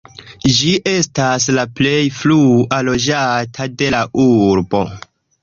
Ĝi estas la plej frua loĝata de la urbo.